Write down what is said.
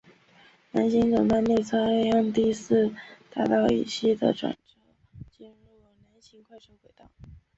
南行总站列车利用第四大道以西的转辙器进入南行快车轨道。